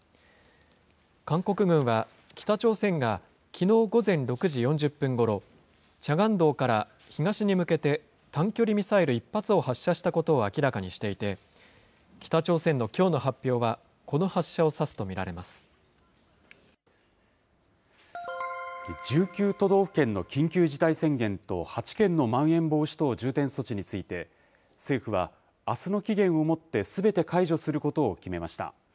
韓国軍は北朝鮮がきのう午前６時４０分ごろ、チャガン道から東に向けて短距離ミサイル１発を発射したことを明らかにしていて、北朝鮮のきょうの発表は、この発射１９都道府県の緊急事態宣言と８県のまん延防止等重点措置について、政府はあすの期限をもってすべて解除することを決めました。